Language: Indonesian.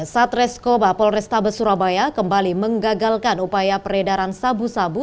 satreskoba polrestabes surabaya kembali menggagalkan upaya peredaran sabu sabu